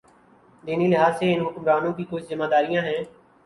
دینی لحاظ سے ان حکمرانوں کی کچھ ذمہ داریاں ہیں۔